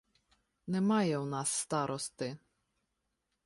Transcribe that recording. — Немає у нас старости.